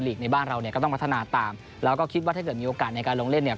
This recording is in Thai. ในบ้านเราเนี่ยก็ต้องพัฒนาตามแล้วก็คิดว่าถ้าเกิดมีโอกาสในการลงเล่นเนี่ย